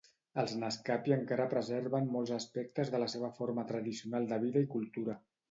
Els naskapi encara preserven molts aspectes de la seva forma tradicional de vida i cultura.